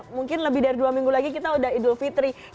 mungkin lebih dari dua minggu lagi kita udah idul fitri